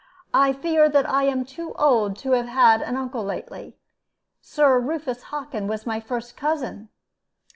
"I fear that I am too old to have had any uncle lately. Sir Rufus Hockin was my first cousin."